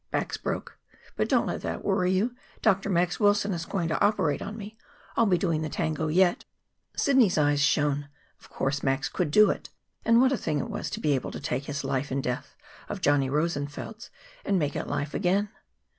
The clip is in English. "Back's broke. But don't let that worry you. Dr. Max Wilson is going to operate on me. I'll be doing the tango yet." Sidney's eyes shone. Of course, Max could do it. What a thing it was to be able to take this life in death of Johnny Rosenfeld's and make it life again!